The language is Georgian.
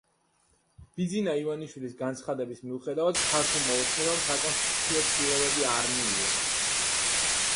ბიძინა ივანიშვილის განცხადების მიუხედავად, „ქართულმა ოცნებამ“ საკონსტიტუციო ცვლილებები არ მიიღო.